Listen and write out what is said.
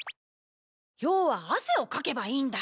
要は汗をかけばいいんだ！